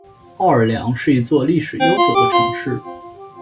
奥尔良是一座历史悠久的城市。